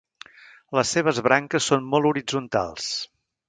Les seves branques són molt horitzontals.